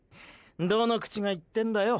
どの口が言ってんだよ。